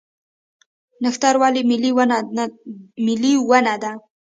نښتر ولې ملي ونه ده؟